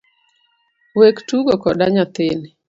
Wek tugo koda nyathini